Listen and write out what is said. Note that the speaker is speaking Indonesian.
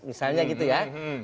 misalnya gitu ya